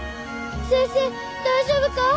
先生大丈夫かぁ？